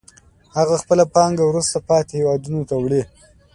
هغه خپله پانګه وروسته پاتې هېوادونو ته وړي